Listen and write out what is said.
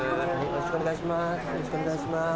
よろしくお願いします。